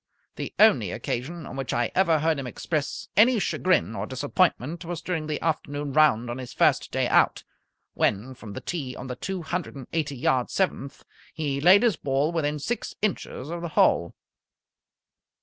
The only occasion on which I ever heard him express any chagrin or disappointment was during the afternoon round on his first day out, when from the tee on the two hundred and eighty yard seventh he laid his ball within six inches of the hole.